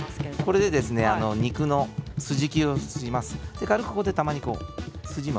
これで肉の筋切りをします。